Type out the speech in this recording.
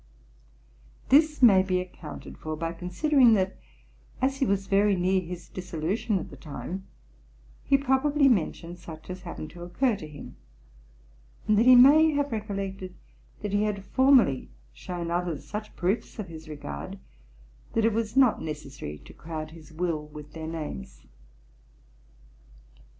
This may be accounted for by considering, that as he was very near his dissolution at the time, he probably mentioned such as happened to occur to him; and that he may have recollected, that he had formerly shewn others such proofs of his regard, that it was not necessary to crowd his Will with their names.